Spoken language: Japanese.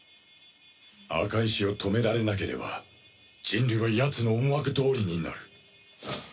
赤石を止められなければ人類はやつの思惑どおりになる。